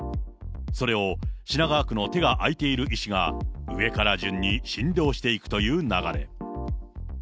それを品川区の手が空いている医師が、上から順に診療していくという流れ。